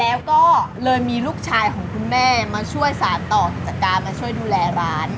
แล้วก็เลยมีลูกชายของคุณแม่มาช่วยสารต่อกิจการมาช่วยดูแลร้าน